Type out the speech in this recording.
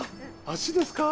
足ですか？